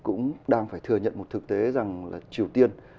các nước phương tây cũng đang phải thừa nhận một thực tế rằng là triều tiên